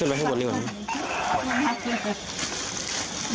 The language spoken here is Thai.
ขึ้นไปให้บนนี่ก่อนนะขอบคุณครับ